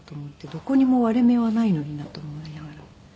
どこにも割れ目はないのになと思いながら。